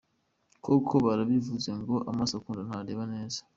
Koko barabivuze ngo amaso akunda ntareba neza.